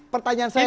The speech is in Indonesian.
pertanyaan saya bang